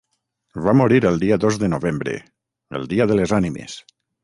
Va morir el dia dos de novembre, el dia de les ànimes.